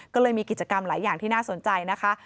ก็เลยมีกิจกรรมหลายอย่างที่น่าสนใจนะคะ